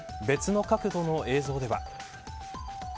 別の角度の映像では。